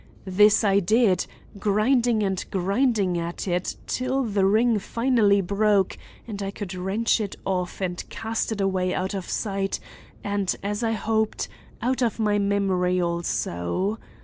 This I did, grinding and grinding at it till the ring finally broke, and I could wrench it off and cast it away out of sight and, as I hoped, out of my memory also.